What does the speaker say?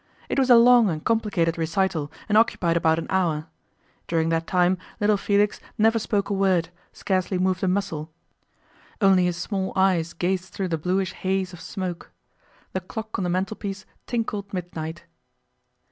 It was a long and complicated recital, and occupied about an hour. During that time little Felix never spoke a word, scarcely moved a muscle; only his small eyes gazed through the bluish haze of smoke. The clock on the mantelpiece tinkled midnight.